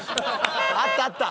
あったあった！